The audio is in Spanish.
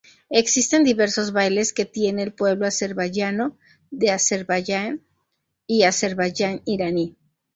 Existen diversos bailes que tiene el pueblo azerbaiyano de Azerbaiyán y Azerbaiyán iraní.